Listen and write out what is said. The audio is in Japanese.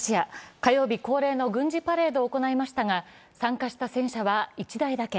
火曜日恒例の軍事パレードを行いましたが参加した戦車は１台だけ。